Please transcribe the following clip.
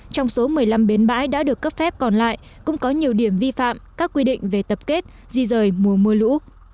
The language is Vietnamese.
trong số một mươi năm bến bãi đã được cấp phép còn lại cũng có nhiều điểm vi phạm các quy định về tập kết di rời mùa mưa lũ